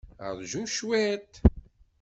Ṛju cwiṭ.